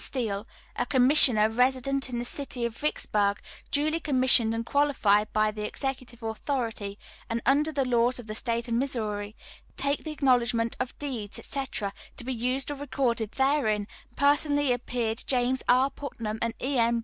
Steele, a Commissioner, resident in the city of Vicksburg, duly commissioned and qualified by the executive authority, and under the laws of the State of Missouri, to take the acknowledgment of deeds, etc., to be used or recorded therein, personally appeared James R. Putnam and E. M.